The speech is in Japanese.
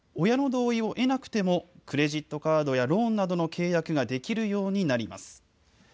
親の同意を得なくてもクレジットカードやローンなどの契約ができるようになります。